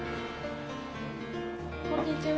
こんにちは。